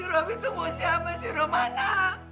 si robi tuh mau siapa si romana